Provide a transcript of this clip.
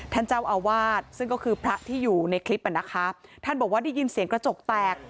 ท่านเจ้าอาวาสซึ่งก็คือพระที่อยู่ในคลิปอ่ะนะคะท่านบอกว่าได้ยินเสียงกระจกแตก